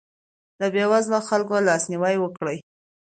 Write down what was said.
د بېوزلو خلکو لاسنیوی وکړئ.